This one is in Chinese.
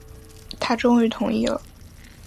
他终于同意了